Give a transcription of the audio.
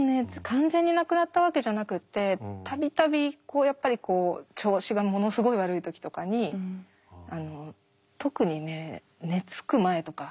完全になくなったわけじゃなくって度々やっぱりこう調子がものすごい悪い時とかに特にね寝つく前とか。